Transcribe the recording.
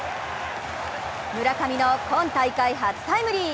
村上の今大会初タイムリー。